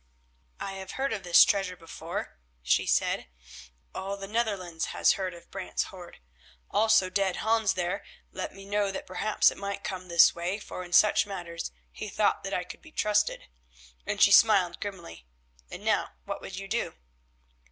"I have heard of this treasure before," she said, "all the Netherlands has heard of Brant's hoard. Also dead Hans there let me know that perhaps it might come this way, for in such matters he thought that I could be trusted," and she smiled grimly. "And now what would you do?"